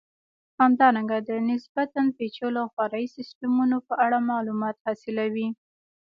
همدارنګه د نسبتا پېچلو او فرعي سیسټمونو په اړه معلومات حاصلوئ.